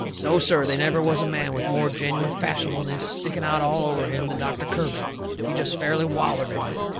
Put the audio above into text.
No, sir; they never was a man with more genuine fashionableness sticking out all over him than Doctor Kirby. He jest fairly wallered in it.